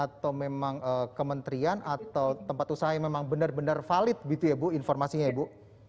atau memang kementerian atau tempat usaha yang memang benar benar valid gitu ya bu informasinya ya bu